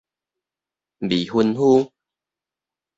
未婚夫